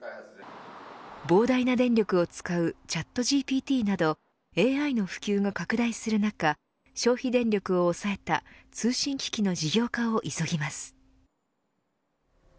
膨大な電力を使うチャットＧＰＴなどＡＩの普及が拡大する中消費電力を抑えた通信機器の事業化を急ぎます。